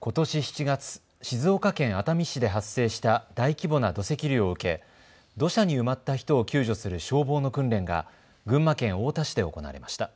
ことし７月、静岡県熱海市で発生した大規模な土石流を受け土砂に埋まった人を救助する消防の訓練が群馬県太田市で行われました。